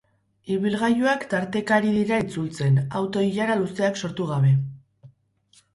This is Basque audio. Ibilgailuak tarteka ari dira itzultzen, auto-ilara luzeak sortu gabe.